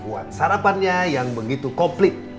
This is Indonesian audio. buat sarapannya yang begitu komplit